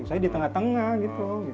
saya di tengah tengah gitu